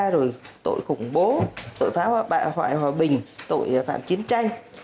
rồi tội khủng bố tội phá hoại hòa bình tội phạm chiến tranh